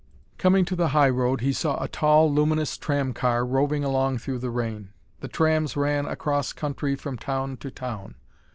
Coming to the high road, he saw a tall, luminous tram car roving along through the rain. The trams ran across country from town to town.